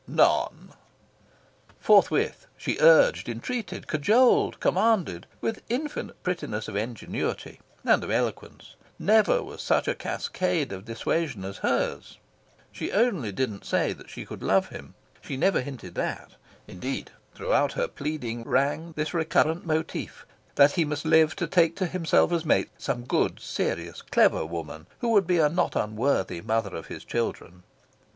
"None." Forthwith she urged, entreated, cajoled, commanded, with infinite prettiness of ingenuity and of eloquence. Never was such a cascade of dissuasion as hers. She only didn't say she could love him. She never hinted that. Indeed, throughout her pleading rang this recurrent motif: that he must live to take to himself as mate some good, serious, clever woman who would be a not unworthy mother of his children.